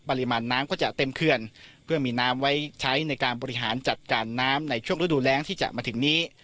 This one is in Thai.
ปริมาณน้ำก็จะเต็มเขื่อนเพื่อมีน้ำไว้ใช้ในการบริหารจัดการน้ำในช่วงฤดูแรงที่จะมาถึงนี้